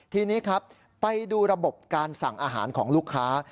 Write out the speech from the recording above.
ทีนี้ครับไปดูระบบการสั่งอาหารของลูกค้า